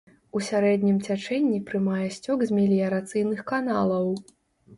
У сярэднім цячэнні прымае сцёк з меліярацыйных каналаў.